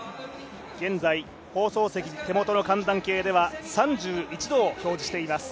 現在、放送席、手元の寒暖計では３１度を記録しています。